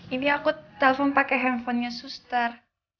ini aku telepon pake handphonenya sustar